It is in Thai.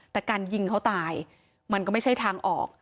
แต่การยิงเขาตายมันก็ไม่ใช่ทางออก